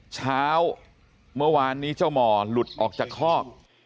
เช้าเมื่อวานนี้เจ้าหมอหลุดออกจากคอก